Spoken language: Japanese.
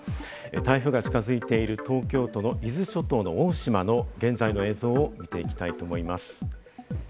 台風が近づいている東京都、伊豆諸島、大島の状況を見ていきたいと思います。